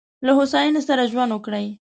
له هوساینې سره ژوند وکړئ.